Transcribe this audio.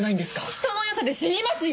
人の良さで死にますよ